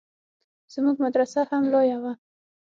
زموږ مدرسه هم لويه وه.